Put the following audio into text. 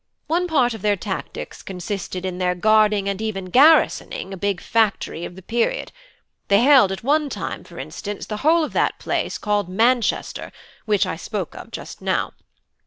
One part of their tactics consisted in their guarding and even garrisoning the big factories of the period: they held at one time, for instance, the whole of that place called Manchester which I spoke of just now.